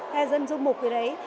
hay dân du mục gì đấy